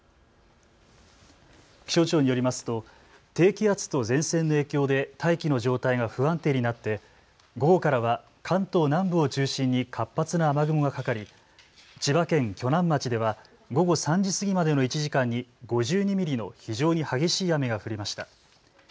気象庁によりますと低気圧と前線の影響で大気の状態が不安定になって午後からは関東南部を中心に活発な雨雲がかかり千葉県鋸南町では午後３時過ぎまでの１時間に５２ミリの非常に激しい雨が降りました。